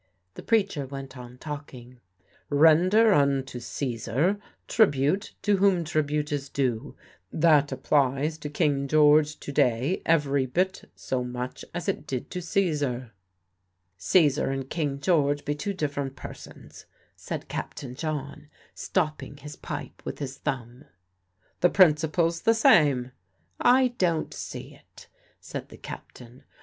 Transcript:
The preacher went on talking. "Render unto Caesar ... tribute to whom tribute is due. That applies to King George to day every bit so much as it did to Caesar." "Caesar and King George be two different persons," said Captain John, stopping his pipe with his thumb. "The principle's the same." "I don't see it," said the captain.